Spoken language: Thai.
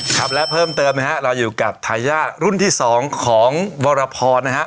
ครับและเพิ่มเติมนะฮะเราอยู่กับทายาทรุ่นที่สองของวรพรนะฮะ